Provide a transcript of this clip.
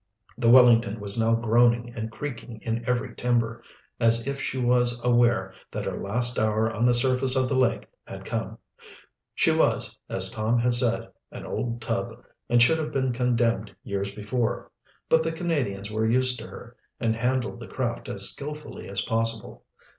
The Wellington was now groaning and creaking in every timber, as if she was aware that her last hour on the surface of the lake had come. She was, as Tom had said, an old "tub," and should have been condemned years before. But the Canadians were used to her and handled the craft as skillfully as possible.